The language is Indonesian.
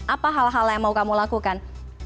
apa hal hal yang mau kamu lakukan